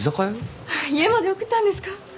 家まで送ったんですか？